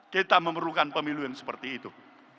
kita memerlukan pemilu yang seperti itu